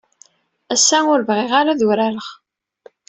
Ass-a, ur bɣiɣ ara ad urareɣ.